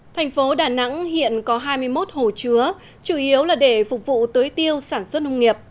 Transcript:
thành phố đà nẵng hiện có hai mươi một hồ chứa chủ yếu là để phục vụ tưới tiêu sản xuất nông nghiệp